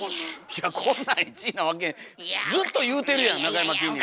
いやこんなん１位なわけずっと言うてるやんなかやまきんに君！